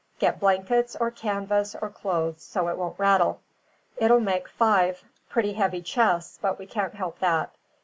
Get blankets, or canvas, or clothes, so it won't rattle. It'll make five pretty heavy chests, but we can't help that.